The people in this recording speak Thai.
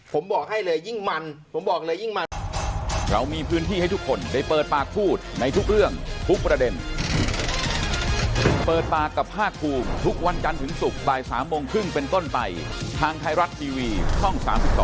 ผมบอกให้เลยยิ่งมันผมบอกเลยยิ่งมัน